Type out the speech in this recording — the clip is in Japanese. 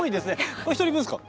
これ１人分ですか？